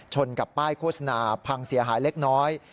กับป้ายโฆษณาพังเสียหายเล็กน้อย